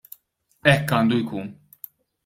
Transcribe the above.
Hekk għandu jkun!